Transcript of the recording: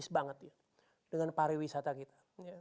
optimis banget dengan pariwisata kita